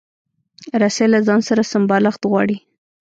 رسۍ له ځان سره سمبالښت غواړي.